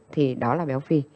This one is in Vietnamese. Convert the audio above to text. thì đó là béo phi